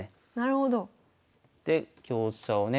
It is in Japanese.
で香車をね